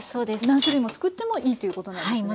何種類も作ってもいいということなんですね。